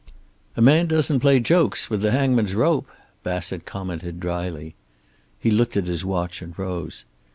"A man doesn't play jokes with the hangman's rope," Bassett commented, dryly. He looked at his watch and rose.